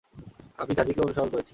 আমি জাজিকে অনুসরণ করেছি।